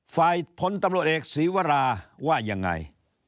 พลตำรวจเอกศีวราว่ายังไง